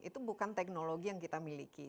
itu bukan teknologi yang kita miliki